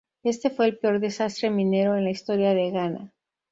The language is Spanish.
Este fue el peor desastre minero en la historia de Ghana.